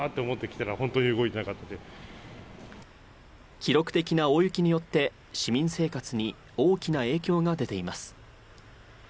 記録的な大雪によって市民生活に大きな影響が出ています。